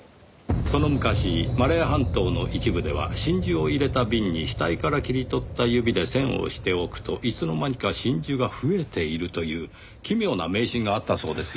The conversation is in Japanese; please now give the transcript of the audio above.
その昔マレー半島の一部では真珠を入れた瓶に死体から切り取った指で栓をしておくといつの間にか真珠が増えているという奇妙な迷信があったそうですよ。